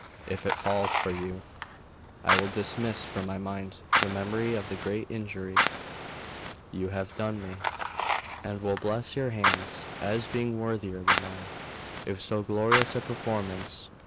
If it falls to you, I will dismiss from my mind the memory of the great injury you have done me, and will bless your hands, as being worthier than mine of so glorious a performance.